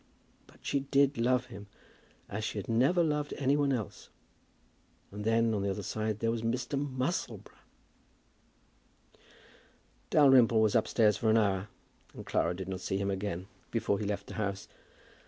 But she did love him, as she had never loved any one else; and then, on the other side, there was Mr. Musselboro! Dalrymple was upstairs for an hour, and Clara did not see him again before he left the house.